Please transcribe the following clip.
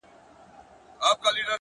ستا سومه-چي ستا سومه-چي ستا سومه-